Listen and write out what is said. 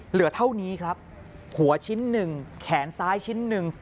เหลือเท่านี้ครับหัวชิ้นหนึ่งแขนซ้ายชิ้นหนึ่ง